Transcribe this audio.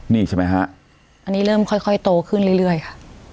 นี่ใช่ไหมฮะอันนี้เริ่มค่อยโตขึ้นเรื่อยค่ะ